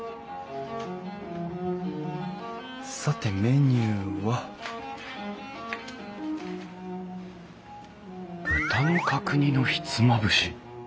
さてメニューは豚の角煮のひつまぶし。